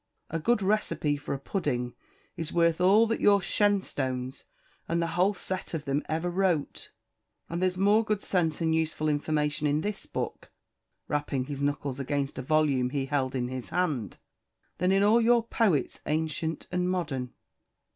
A good recipe for a pudding is worth all that your Shenstones and the whole set of them ever wrote; and there's more good sense and useful information in this book" rapping his knuckles against a volume he held in his hand "than in all your poets, ancient and modern."